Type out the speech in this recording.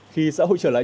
khi xã hội trở lại